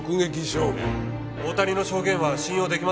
大谷の証言は信用出来ません。